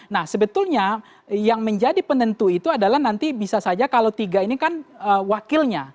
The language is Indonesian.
nah sebetulnya yang menjadi penentu itu adalah nanti bisa saja kalau tiga ini kan wakilnya